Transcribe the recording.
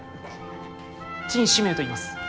陳志明といいます。